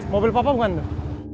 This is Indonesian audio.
mobil papa bukan tuh